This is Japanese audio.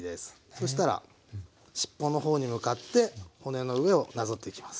そしたらしっぽの方に向かって骨の上をなぞっていきます。